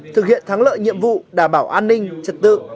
thực hiện thắng lợi nhiệm vụ đảm bảo an ninh trật tự